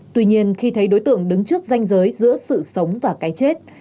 tuy nhiên khi thấy đối tượng đứng trước danh giới giữa sự sống và cái chết